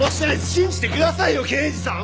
信じてくださいよ刑事さん！